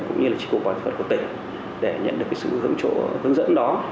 cũng như là trí cục bảo thực vật của tỉnh để nhận được cái sự hướng dẫn đó